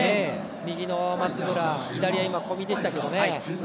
右の松村左は今、小見でしたけど。